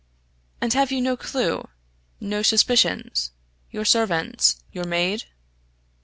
} "And have you no clue, no suspicions? your servants your maid?"